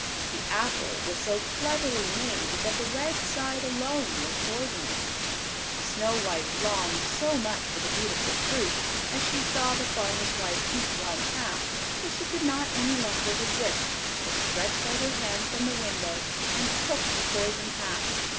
The apple was so cleverly made that the red side alone was poisonous. Snow white longed so much for the beautiful fruit as she saw the farmer's wife eat one half that she could not any longer resist, but stretched out her hand from the window and took the poisoned half.